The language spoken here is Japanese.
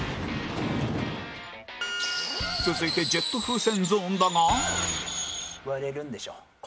続いてジェット風船ゾーンだが